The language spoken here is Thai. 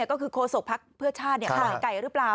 ก็คือโคศกภักดิ์เพื่อชาติปล่อยไก่หรือเปล่า